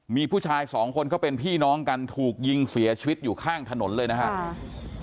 มีผู้ชายสองคนเขาเป็นพี่น้องกันถูกยิงเสียชีวิตอยู่ข้างถนนเลยนะครับ